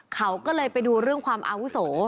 เขาก็เลยไปดูเรื่องความอาวุโส